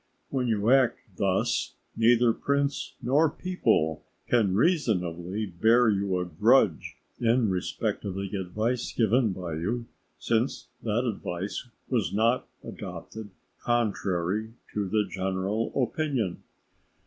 When you act thus, neither prince nor people can reasonably bear you a grudge in respect of the advice given by you, since that advice was not adopted contrary to the general opinion.